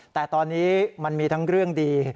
แต่ตอนนี้มันมีทั้งเรื่องดี